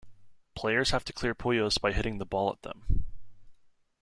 Players have to clear Puyos by hitting the ball at them.